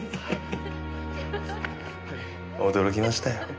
驚きましたよ。